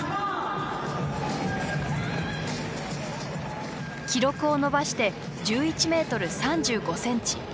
記録を伸ばして１１ｍ３５ｃｍ。